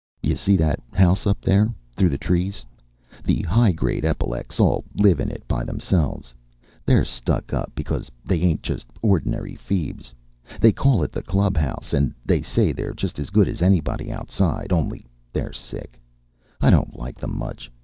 You see that house up there through the trees. The high grade epilecs all live in it by themselves. They're stuck up because they ain't just ordinary feebs. They call it the club house, and they say they're just as good as anybody outside, only they're sick. I don't like them much.